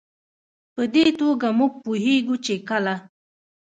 په دې توګه موږ پوهېږو چې کله